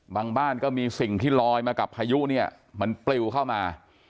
บ้านก็มีสิ่งที่ลอยมากับพายุเนี่ยมันปลิวเข้ามา